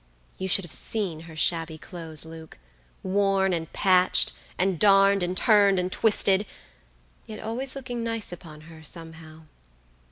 You should have seen her shabby clothes, Lukeworn and patched, and darned and turned and twisted, yet always looking nice upon her, somehow.